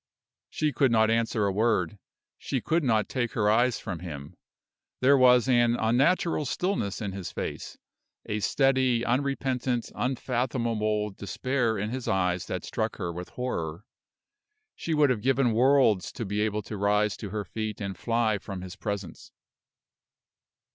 She could not answer a word; she could not take her eyes from him. There was an unnatural stillness in his face, a steady, unrepentant, unfathomable despair in his eyes that struck her with horror. She would have given worlds to be able to rise to her feet and fly from his presence.